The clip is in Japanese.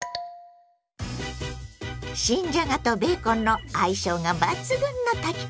新じゃがとベーコンの相性が抜群の炊き込みご飯です。